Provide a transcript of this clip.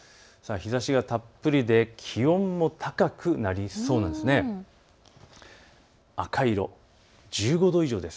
日ざしがたっぷりで気温も高くなりそうなんです。